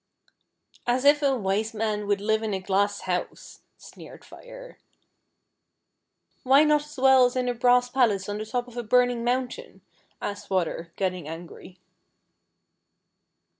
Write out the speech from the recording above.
"As if a Wise Man would live in a glass house," sneered Fire. " Why not as well as in a brass palace on the top of a burning mountain ?" asked Water, getting angry.